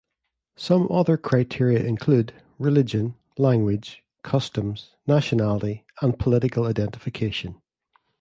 Some other criteria include: "religion, language, 'customs,' nationality, and political identification".